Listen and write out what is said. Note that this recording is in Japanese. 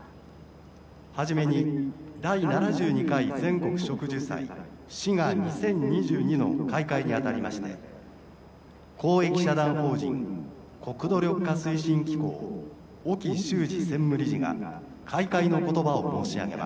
「初めに第７２回全国植樹祭しが２０２２の開会にあたりまして公益社団法人国土緑化推進機構沖修司専務理事が開会の言葉を申し上げます」。